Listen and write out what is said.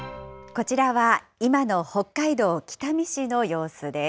こちらは今の北海道北見市の様子です。